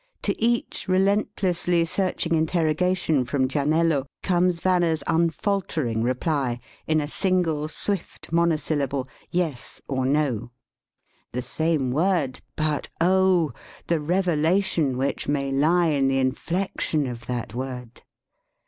To each relentlessly searching interrogation from Gianello comes Vanna's unfaltering re ply, in a single, swift monosyllable, "Yes" or "No." The same word, but, oh, the reve lation which may lie in the inflection of that word!